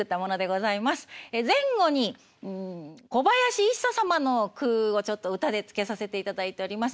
前後に小林一茶様の句をちょっと歌でつけさせていただいております。